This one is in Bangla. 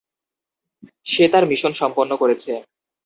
সে তার মিশন সম্পন্ন করেছে।